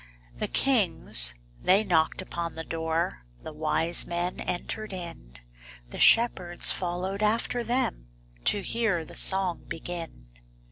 The kings they knocked upon the door, The wise men entered in, The shepherds followed after them To hear the song begin.